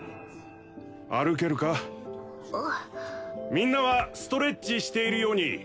みんなはストレッチしているように。